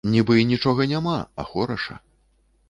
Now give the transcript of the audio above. Нібы й нічога няма, а хораша.